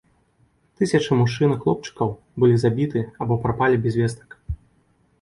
Тысячы мужчын і хлопчыкаў былі забіты або прапалі без вестак.